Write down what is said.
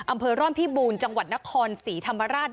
อำเภอร่อนพิบูรณ์จังหวัดนครศรีธรรมราช